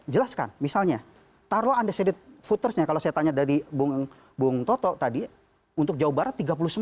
jelaskan misalnya taruhlah undecided votersnya kalau saya tanya dari bung toto tadi untuk jawa barat tiga puluh sembilan